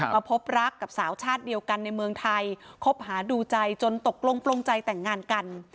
มาพบรักกับสาวชาติเดียวกันในเมืองไทยคบหาดูใจจนตกลงปลงใจแต่งงานกัน